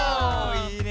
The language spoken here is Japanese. いいね。